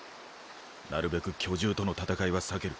なるべく巨獣との戦いは避ける。